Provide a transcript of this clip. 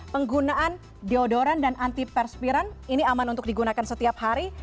penggunaan deodoran dan antiperspiran ini aman untuk digunakan setiap hari